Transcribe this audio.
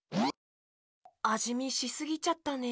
あじみしすぎちゃったね。